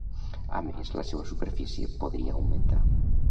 A més, la seua superfície podria augmentar.